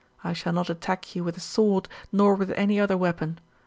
I shall not attack you with a sword, nor with any other weapon.